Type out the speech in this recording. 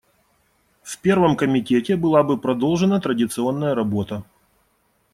В Первом комитете была бы продолжена традиционная работа.